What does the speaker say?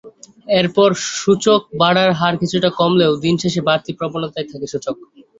এরপর সূচক বাড়ার হার কিছুটা কমলেও দিন শেষে বাড়তি প্রবণতায় থাকে সূচক।